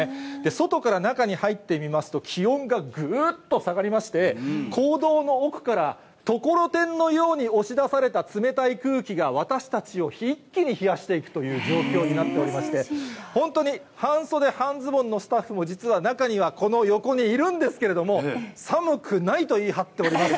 外から中に入ってみますと、気温がぐーっと下がりまして、坑道の奥からところてんのように押し出された冷たい空気が、私たちを一気に冷やしていくという状況になっておりまして、本当に、半袖半ズボンのスタッフも、実は中には、この横にいるんですけれども、寒くないと言い張っております。